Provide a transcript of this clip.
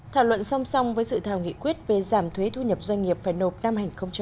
thảo luận song song với dự thảo nghị quyết về giảm thuế thu nhập doanh nghiệp phải nộp năm hai nghìn hai mươi